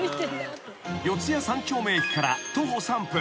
［四谷三丁目駅から徒歩３分。